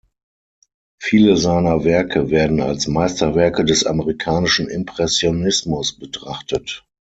Viele seiner Werke werden als Meisterwerke des amerikanischen Impressionismus betrachtet.